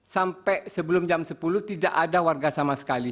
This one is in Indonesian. sampai sebelum jam sepuluh tidak ada warga sama sekali